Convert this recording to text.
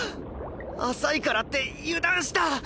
浅いからって油断した！